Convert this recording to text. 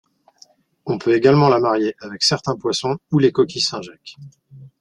On peut également la marier avec certains poissons ou les coquilles Saint-Jacques.